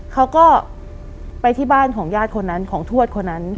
เขาก็ไปที่บ้านของญาติคนนั้นของทวดคนนั้น